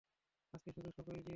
আজকে শুধু শকই দিয়ে যাচ্ছো।